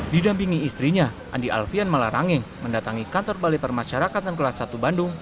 didampingi istrinya andi alfian malarangeng mendatangi kantor balai permasyarakatan kelas satu bandung